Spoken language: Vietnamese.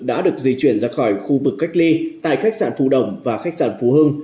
đã được di chuyển ra khỏi khu vực cách ly tại khách sạn phù đồng và khách sạn phú hưng